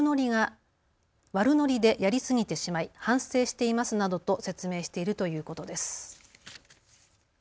悪ノリでやりすぎてしまい反省していますなどと説明しているということです。